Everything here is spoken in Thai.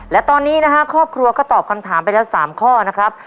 และตอนนี้นะฮะครอบครัวก็ตอบคำถามไปแล้ว๓ข้อนะครับ